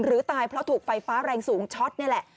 ตายเพราะถูกไฟฟ้าแรงสูงช็อตนี่แหละ